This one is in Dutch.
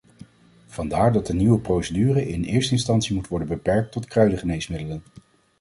Vandaar dat de nieuwe procedure in eerste instantie moet worden beperkt tot kruidengeneesmiddelen.